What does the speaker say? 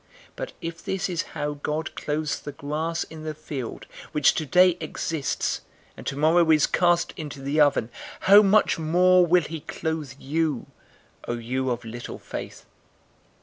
012:028 But if this is how God clothes the grass in the field, which today exists, and tomorrow is cast into the oven, how much more will he clothe you, O you of little faith?